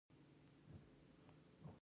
زه به وغواړم چې یوازې خپل کار پیل کړم